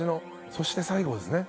そして最後ですね。